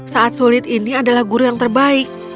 saat sulit ini adalah guru yang terbaik